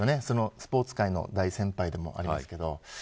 スポーツ界の大先輩でもありますけど。